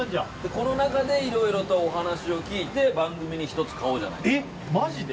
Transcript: この中でいろいろとお話を聞いて番組に１つ買おうじゃないかと。